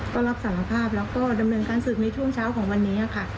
ก็รับสารภาพแล้วก็ดำเนินการศึกในช่วงเช้าของวันนี้ค่ะ